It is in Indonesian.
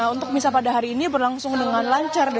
untuk misa pada hari ini berlangsung dengan lancar